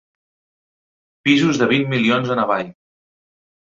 Pisos de vint milions en avall.